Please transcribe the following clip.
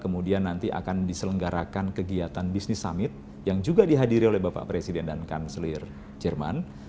kemudian nanti akan diselenggarakan kegiatan bisnis summit yang juga dihadiri oleh bapak presiden dan kanselir jerman